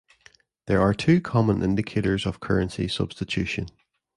There are two common indicators of currency substitution.